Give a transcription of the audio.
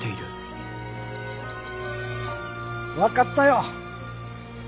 分かったよ。